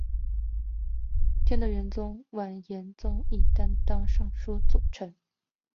天德元年完颜宗义担任尚书左丞。